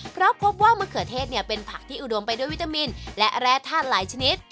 เพราะพบว่ามะเขือเทศเป็นผักที่อุดมไปด้วยวิตามินและแร่ธาตุหลายชนิด